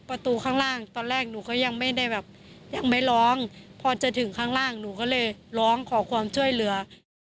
พอจะถึงข้างล่างหนูก็เลยร้องขอความช่วยเหลือ